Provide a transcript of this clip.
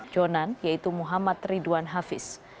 jonan yaitu muhammad ridwan hafiz